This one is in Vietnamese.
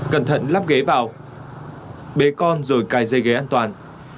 cẩn thận lắp ghế vào bế con rồi cài dây ghế an toàn